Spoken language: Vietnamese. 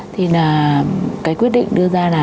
thì là cái quyết định đưa ra là